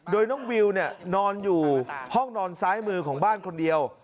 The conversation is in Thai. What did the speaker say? โดยน้องวิวนอนอยู่ห้องนอนซ้ายมือของบ้านคนเดียว